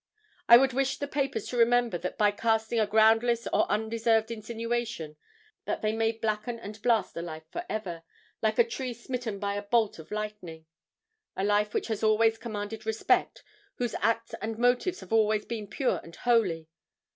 I would wish the papers to remember that by casting a groundless or undeserved insinuation that they may blacken and blast a life forever, like a tree smitten by a bolt of lightning; a life which has always commanded respect, whose acts and motives have always been pure and holy.